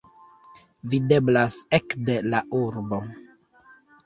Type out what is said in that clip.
Videblas ekde la urbo.